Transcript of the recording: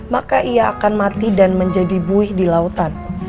maka ia akan mati dan menjadi buih di lautan